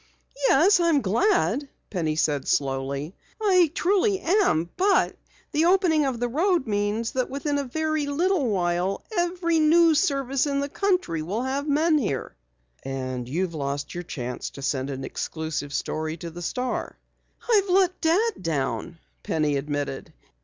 "Yes, I'm glad," Penny said slowly. "I truly am. But the opening of the road means that within a very little while every news service in the country will have men here." "And you've lost your chance to send an exclusive story to the Star." "I've let Dad down," Penny admitted.